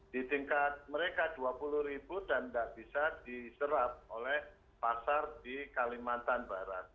di tingkat mereka dua puluh ribu dan tidak bisa diserap oleh pasar di kalimantan barat